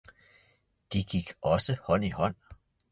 de gik også hånd i hånd.